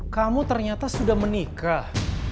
kamu ternyata sudah menikah